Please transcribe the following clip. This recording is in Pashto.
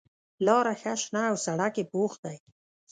لاره ښه شنه او سړک یې پوخ دی.